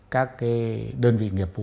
các cái đơn vị nghiệp vũ